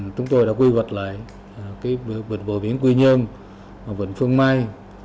chúng tôi đã quy vật lại bờ biển quy nhơn bờ biển phương mai